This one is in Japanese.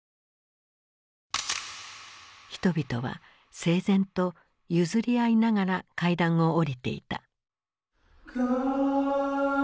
人々は整然と譲り合いながら階段を下りていた。